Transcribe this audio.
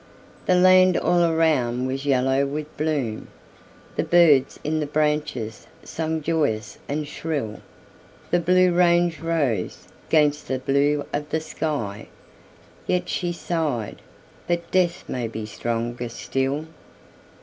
The land all around was yellow with bloom, The birds in the branches sang joyous and shrill, The blue range rose 'gainst the blue of the sky, Yet she sighed, "But death may be stronger still!"